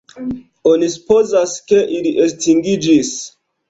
Oni supozas, ke ili estingiĝis.